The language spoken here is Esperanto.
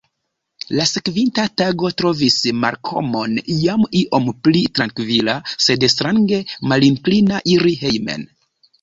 La sekvinta tago trovis Malkomon jam iom pli trankvila, sed strange malinklina iri hejmen.